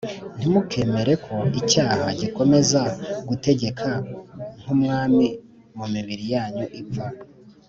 ntimukemere ko icyaha gikomeza gutegeka nk umwami d mu mibiri yanyu ipfa